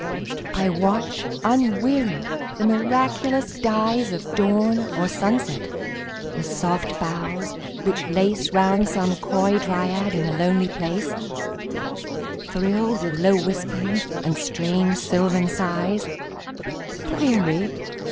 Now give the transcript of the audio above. I watch, unwearied, the miraculous dyesOf dawn or sunset; the soft boughs which laceRound some coy dryad in a lonely place, Thrilled with low whispering and strange sylvan sighs:Weary?